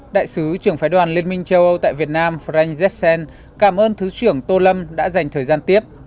đại sứ trưởng phái đoàn liên minh châu âu tại việt nam frank zesen cảm ơn thứ trưởng tô lâm đã dành thời gian tiếp